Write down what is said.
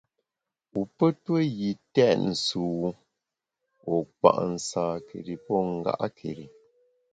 Wu pe ntue yi têt sùwu, wu kpa’ nsâkeri pô nga’keri.